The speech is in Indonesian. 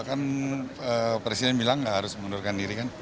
kan presiden bilang nggak harus mengundurkan diri kan